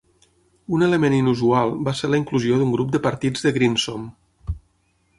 Un element inusual va ser la inclusió d"un grup de partits de greensome.